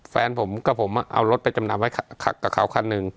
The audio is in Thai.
แฟนผมกับผมเอารถไปจำนำคันหนึ่ง